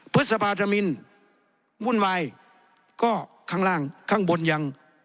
พฤษภาธมินวุ่นวายก็ข้างล่างข้างบนยัง